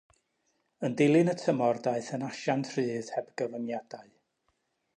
Yn dilyn y tymor daeth yn asiant rhydd heb gyfyngiadau.